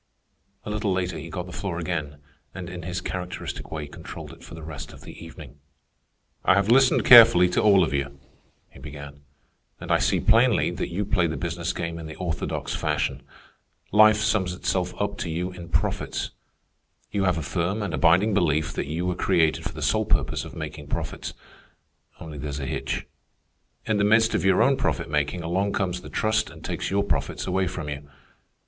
A little later he got the floor again, and in his characteristic way controlled it for the rest of the evening. "I have listened carefully to all of you," he began, "and I see plainly that you play the business game in the orthodox fashion. Life sums itself up to you in profits. You have a firm and abiding belief that you were created for the sole purpose of making profits. Only there is a hitch. In the midst of your own profit making along comes the trust and takes your profits away from you.